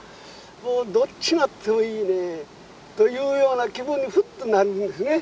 どっちになってもいいんでというような気分にふっとなるんですね。